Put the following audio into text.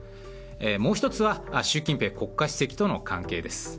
もう１つは習近平国家主席との関係です。